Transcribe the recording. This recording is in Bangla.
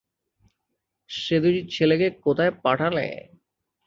সে দুটি ছেলেকে কোথায় পাঠালে?